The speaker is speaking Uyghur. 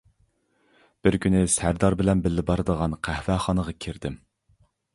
بىر كۈنى سەردار بىلەن بىللە بارىدىغان قەھۋەخانىغا كىردىم.